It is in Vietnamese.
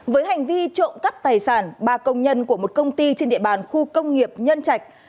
với hành vi trộm cắp tài sản ba công nhân của một công ty trên địa bàn khu công nghiệp nhân trạch